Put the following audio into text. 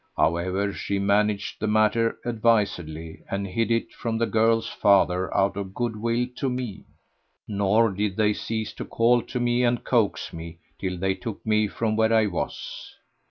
However she managed the matter advisedly and hid it from the girl's father out of good will to me; nor did they cease to call to me and coax me, till they took me from where I was.